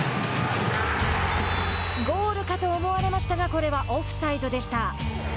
ゴールかと思われましたがこれはオフサイドでした。